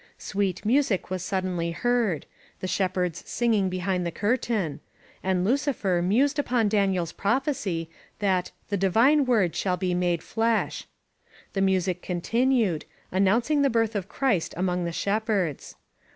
Sweet music was suddenly heard — the shep herds singing behind the curtain — and Lucifer mused upon Daniel's prophecy that "the Divine Word shall be made Flesh." The music continued, announcing the birth of Christ among the shepherds.